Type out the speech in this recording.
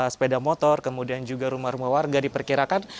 sepeda motor kemudian juga rumah rumah warga diperkirakan